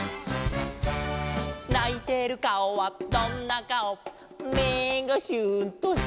「ないてるかおはどんなかお」「目がシューンと下向いて」